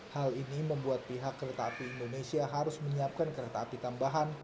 hal ini membuat pihak kereta api indonesia harus menyiapkan kereta api tambahan